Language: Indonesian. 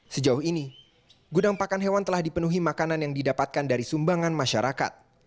sejauh ini gudang pakan hewan telah dipenuhi makanan yang didapatkan dari sumbangan masyarakat